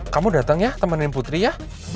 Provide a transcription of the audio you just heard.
kamu dateng ya temenin putri ya